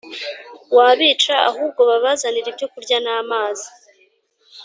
wabica Ahubwo babazanire ibyokurya n amazi